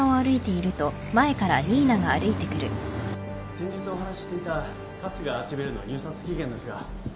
先日お話ししていた春日アーチビルの入札期限ですが。